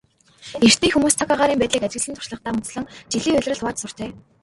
Эртний хүмүүс цаг агаарын байдлыг ажигласан туршлагадаа үндэслэн жилийг улиралд хувааж сурчээ.